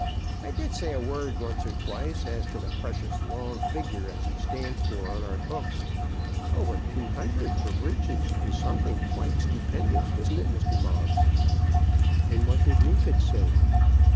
I did say a word once or twice as to the precious long figure as he stands for on our books. Over two hundred for breeches is something quite stupendous. Isn't it, Mr. Moggs?" "And what did Neefit say?"